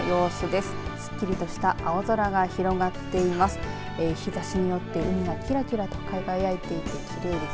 すっきりとした青空が広がっています。